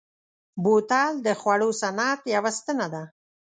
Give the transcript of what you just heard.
بوتل د خوړو صنعت یوه ستنه ده.